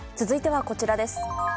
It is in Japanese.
続いてはこちらです。